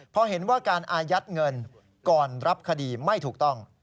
พอเห็นว่าการอายัดเงินก่อนรับคดีไม่ถูกต้อง